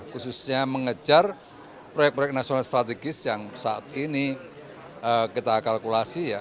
khususnya mengejar proyek proyek nasional strategis yang saat ini kita kalkulasi ya